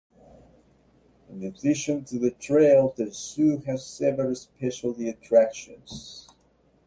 In addition to the trails, the zoo has several specialty attractions.